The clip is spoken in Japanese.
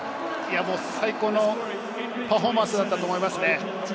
最高のパフォーマンスだったと思います。